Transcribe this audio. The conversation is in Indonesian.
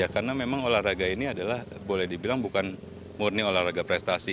karena memang olahraga ini adalah boleh dibilang bukan murni olahraga prestasi